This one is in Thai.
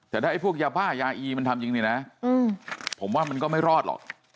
แต่ถ้าไอ้พวกยาบ้ายาอีมันทำจริงเนี่ยนะผมว่ามันก็ไม่รอดหรอก